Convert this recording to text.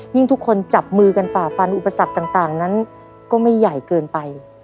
ทุกคนจับมือกันฝ่าฟันอุปสรรคต่างนั้นก็ไม่ใหญ่เกินไป